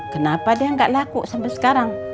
kenapa dia nggak laku sampai sekarang